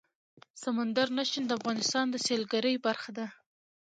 سمندر نه شتون د افغانستان د سیلګرۍ برخه ده.